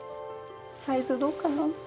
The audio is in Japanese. サイズどうかな。